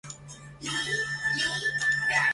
未收录在其专辑里的单曲